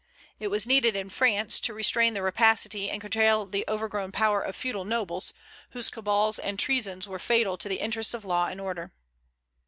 It was needed in France, to restrain the rapacity and curtail the overgrown power of feudal nobles, whose cabals and treasons were fatal to the interests of law and order.